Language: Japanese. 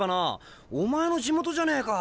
お前の地元じゃねえか。